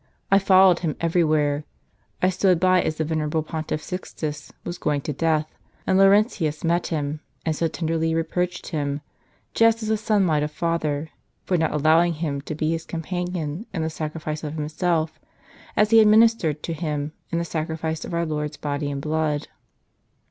I followed him everywhere ; I stood by as the venerable Pontiff Sixtus was going to death, and Laurentius met him, and so tenderly reproached him, just as a son might a father, for not allowing him to be his companion in the sacri fice of himself, as he had ministered to him in the sacrifice of our Lord's body and blood."